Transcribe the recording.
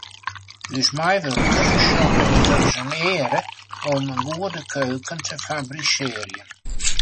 Us meiwurkers sjogge it as in eare om in goede keuken te fabrisearjen.